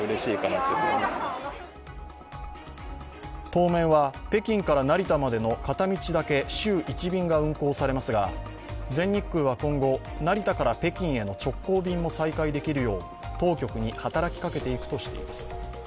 当面は北京から成田までの片道だけ週１便が運航されますが、全日空は今後、成田から北京への直行便も再開できるよう当局に働きかけていくとしています。